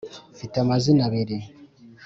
mfite amazina abiri.